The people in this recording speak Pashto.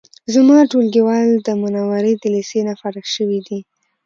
زما ټولګیوال د منورې د لیسې نه فارغ شوی دی